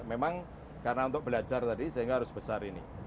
memang karena untuk belajar tadi sehingga harus besar ini